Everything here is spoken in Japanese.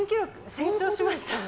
成長しました。